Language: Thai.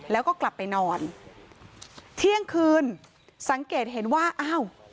แล้วก็กลับไปนอนเที่ยงคืนสังเกตเห็นว่าอ้าว